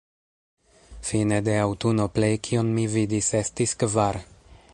Fine de aŭtuno plej kion mi vidis estis kvar.